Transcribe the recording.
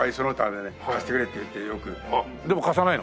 でも貸さないの？